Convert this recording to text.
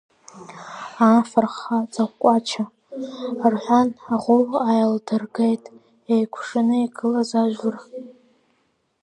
Аа, афырхаҵа Қәача, — рҳәан, аӷу ааилдыргеит еикәшаны игылаз ажәлар.